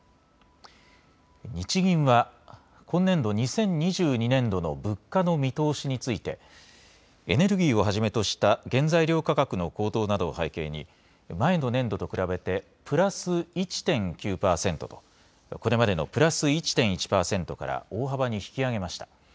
日銀は今年度２０２２年度の物価の見通しについてエネルギーをはじめとした原材料価格の高騰などを背景に前の年度と比べてプラス１．９％とこれまでのプラス１．１％から大幅に引き上げました。